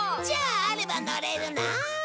じゃああれば乗れるの？